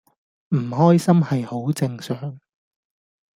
唔開心係好正常